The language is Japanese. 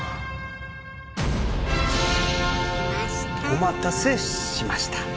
お待たせしました。